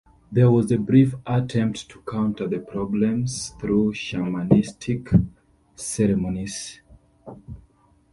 There was a brief attempt to counter the problems through shamanistic ceremonies.